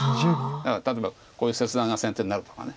だから例えばこういう切断が先手になるとか。